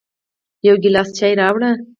يو ګیلاس چای راوړه